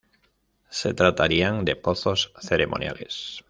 Se tratarían de pozos ceremoniales.